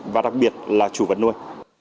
và đặc biệt là chủ vật nuôi